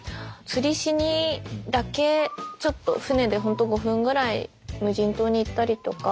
釣りしにだけちょっと船でホント５分ぐらい無人島に行ったりとか。